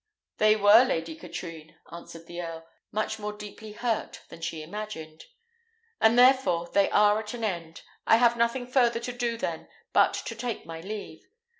"They were, Lady Katrine," answered the earl, much more deeply hurt than she imagined, "and therefore they are at an end. I have nothing further to do then but to take my leave."